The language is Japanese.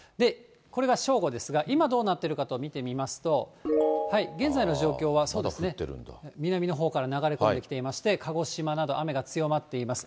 これが正午ですが、今、どうなっているかと見てみますと、現在の状況は、そうですね、南のほうから流れ込んできていまして、鹿児島など、雨が強まっています。